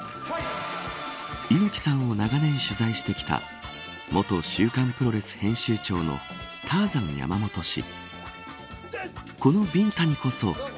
猪木さんを長年取材してきた元週刊プロレス編集長のターザン山本氏。